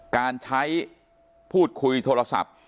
การใช้พูดคุยโทรศัพท์